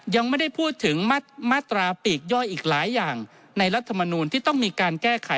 ยังไม่ได้พูดถึงมาตราปีกย่อยอีกหลายอย่างในรัฐมนูลที่ต้องมีการแก้ไข